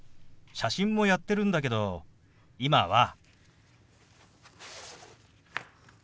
写真もやってるんだけど今は。